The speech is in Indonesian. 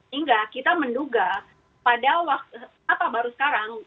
hingga kita menduga pada waktu apa baru sekarang